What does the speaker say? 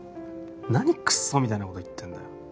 何クッソみたいなこと言ってんだよ